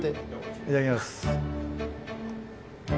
いただきます。